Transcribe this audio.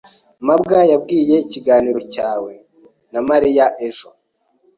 mabwa yambwiye ikiganiro cyawe na Mariya ejo.